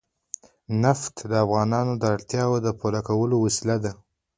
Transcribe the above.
نفت د افغانانو د اړتیاوو د پوره کولو وسیله ده.